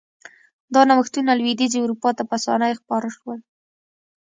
دا نوښتونه لوېدیځې اروپا ته په اسانۍ خپاره شول.